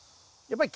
やっぱり。